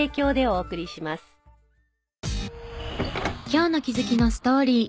今日の気づきのストーリー。